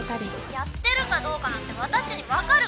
やってるかどうかなんて私に分かるか！